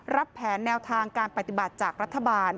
แผนแนวทางการปฏิบัติจากรัฐบาล